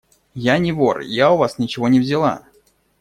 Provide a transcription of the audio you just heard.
– Я не вор! Я у вас ничего не взяла.